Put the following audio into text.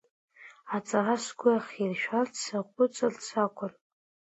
Аҵара сгәы ахиршәарц, саҟәыҵырц акәын.